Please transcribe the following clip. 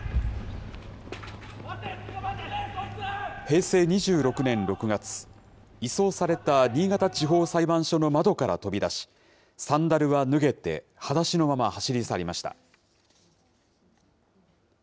平成２６年６月、移送された新潟地方裁判所の窓から飛び出し、サンダルは脱げてはだしのまま走り去りました。